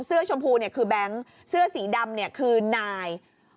เสื้อชมพูคือแบงค์เสื้อสีดำคือนาย